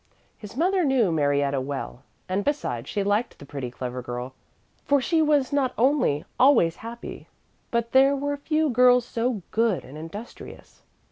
His mother knew Marietta well and besides she liked the pretty, clever girl, for she was not only always happy but there were few girls so good and industrious.